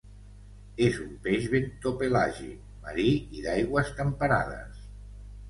És un peix bentopelàgic, marí i d'aigües temperades.